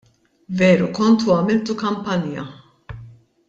Veru kontu għamiltu kampanja.